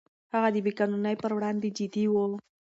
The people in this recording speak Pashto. هغه د بې قانونۍ پر وړاندې جدي و.